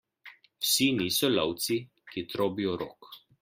Vsi niso lovci, ki trobijo rog.